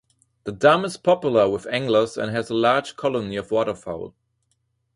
The dam is popular with anglers and has a large colony of waterfowl.